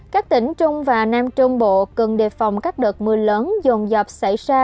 các tỉnh trung và nam trung bộ cần đề phòng các đợt mưa lớn dồn dập xảy ra